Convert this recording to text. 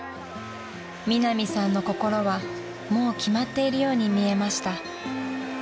［ミナミさんの心はもう決まっているように見えました］